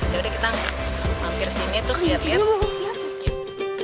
jadi kita hampir sini terus lihat lihat